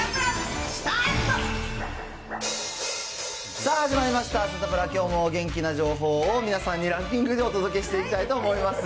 さあ始まりました、サタプラ、きょうも元気な情報を皆さんにランキングでお届けしていきたいと思います。